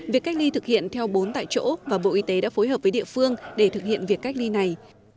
việc cách ly thực hiện theo bốn tại chỗ và bộ y tế đã phối hợp với địa phương để thực hiện việc cách ly này